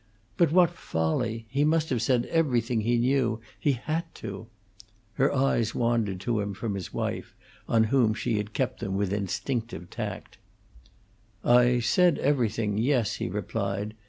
"But what folly! He must have said everything he knew he had to." Her eyes wandered to him from his wife, on whom she had kept them with instinctive tact. "I said everything yes," he replied.